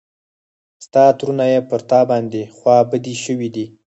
ستا ترونه پر تا باندې خوا بدي شوي دي.